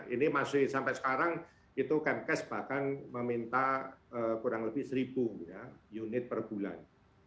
ini masih sampai sekarang itu kemkes bahkan meminta kurang lebih seribu unit per bulan